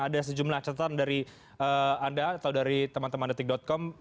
ada sejumlah catatan dari anda atau dari teman teman detik com